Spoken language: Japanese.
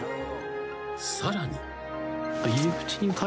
［さらに］